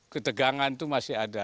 ketegangan itu masih ada